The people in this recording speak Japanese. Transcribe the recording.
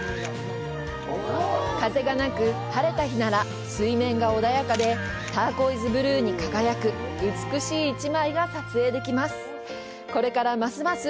風が無く晴れた日なら、水面が穏やかでターコイズブルーに輝く美しい１枚が撮影できます。